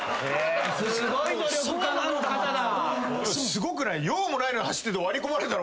すごくない？